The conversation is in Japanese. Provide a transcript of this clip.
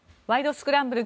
スクランブル」